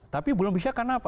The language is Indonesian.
tapi belum bisa karena apa